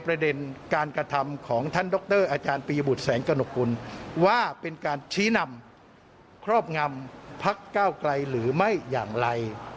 เผลอโดนยุบทั้งสองพักเลยนะ